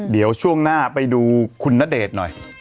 เดี๋ยวช่วงหน้าไปดูคุณณเดชน์หน่อย